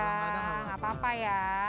gak apa apa ya